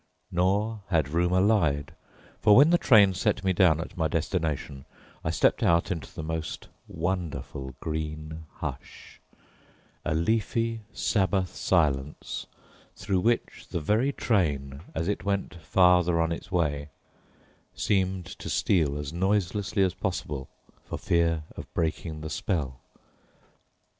Nor had rumor lied, for when the train set me down at my destination I stepped out into the most wonderful green hush, a leafy Sabbath silence through which the very train, as it went farther on its way, seemed to steal as noiselessly as possible for fear of breaking the spell.